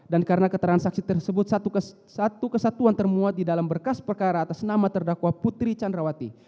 dan karena keterangan saksi tersebut satu kesatuan termuat di dalam berkas perkara atas nama terdakwa putri candrawati